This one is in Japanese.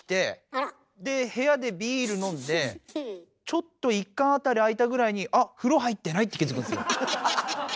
あら？で部屋でビール飲んでちょっと１缶あたり空いたぐらいに「あ風呂入ってない」って気付くんですよ。